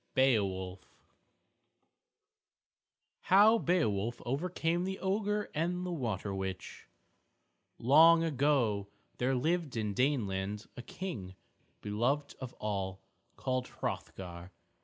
MARSHALL I HOW BEOWULF OVERCAME THE OGRE AND THE WATER WITCH Long ago, there lived in Daneland a King, beloved of all, called Hrothgar.